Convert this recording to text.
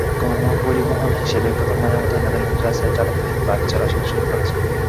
গণপরিবহন হিসেবে প্রথমবারের মতো নেদারল্যান্ডসের রাস্তায় চালকহীন বাস চলাচল শুরু করেছে।